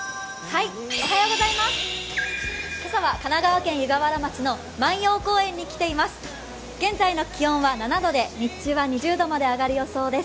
今朝は神奈川県湯河原町の万葉公園に来ています。